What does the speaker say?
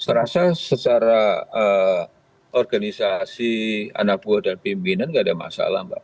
saya rasa secara organisasi anak buah dan pimpinan tidak ada masalah mbak